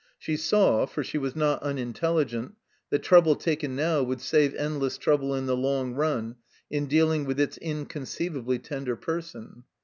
She saw (for she was not tmintelligent) that trouble taken now would save endless trouble in the long nm, in dealing with its inconceivably tender person.